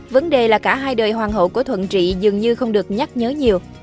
vấn đề là cả hai đời hoàng hậu của thuận trị dường như không được nhắc nhớ nhiều